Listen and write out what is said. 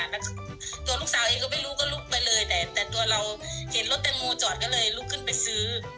แล้วตัวลูกสาวเองก็ไม่รู้ก็ลุกไปเลยแต่ตัวเราเห็นรถแตงโมจอดก็เลยลุกขึ้นไปซื้อ